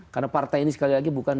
karena partai ini sekali lagi bukan